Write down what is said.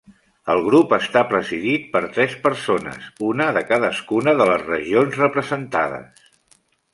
El grup està presidit per tres persones, una de cadascuna de les regions representades.